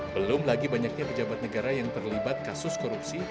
belum lagi banyaknya pejabat negara yang terlibat kasus korupsi